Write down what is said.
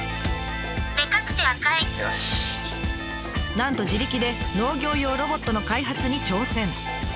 なんと自力で農業用ロボットの開発に挑戦。